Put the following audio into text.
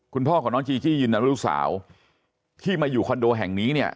คุณพ่อของน้องจีจี้ยืนยันว่าลูกสาวที่มาอยู่คอนโดแห่งนี้เนี่ย